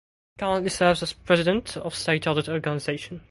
She currently serves as President of State Audit Organization.